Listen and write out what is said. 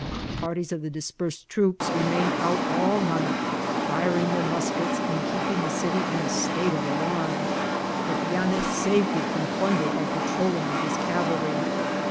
Parties of the dispersed troops re mained out all nig^, firing their mulcts, and keeping the dty in a state of alarm ; but Yanez saved it from plimder l^ patrolling with his cavalry.